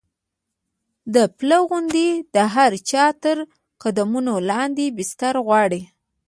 د پله غوندې د هر چا تر قدمونو لاندې بستر غواړي.